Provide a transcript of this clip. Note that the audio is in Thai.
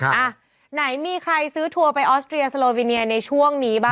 อ่ะไหนมีใครซื้อทัวร์ไปออสเตรียสโลวิเนียในช่วงนี้บ้าง